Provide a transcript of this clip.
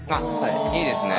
いいですね。